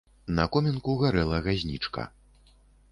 На комінку гарэла газнічка.